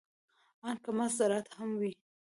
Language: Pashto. ان که محض زراعت هم وي.